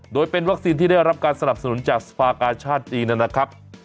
โดยเป็นวัคซีนที่ได้รับการสนับสนุนจากสภากาชาติจีนนะครับ